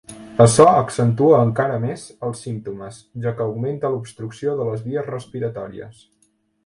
Açò accentua encara més els símptomes, ja que augmenta l'obstrucció de les vies respiratòries.